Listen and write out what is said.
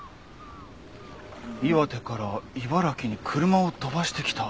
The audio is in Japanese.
岩手から茨城に車を飛ばしてきた。